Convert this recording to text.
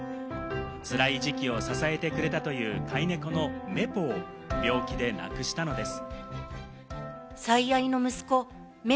つらい時期を支えてくれたという飼い猫のメポを病気で亡くしたのです。